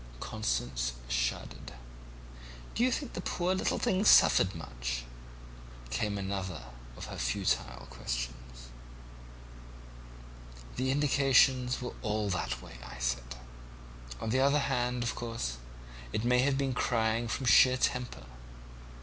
"Constance shuddered. 'Do you think the poor little thing suffered much?' came another of her futile questions. "'The indications were all that way,' I said; 'on the other hand, of course, it may have been crying from sheer temper.